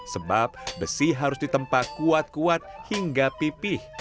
sebab besi harus ditempa kuat kuat hingga pipih